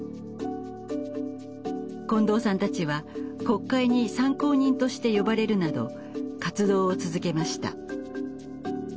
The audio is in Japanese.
近藤さんたちは国会に参考人として呼ばれるなど活動を続けました。